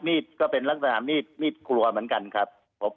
ก็เป็นลักษณะมีดมีดครัวเหมือนกันครับผม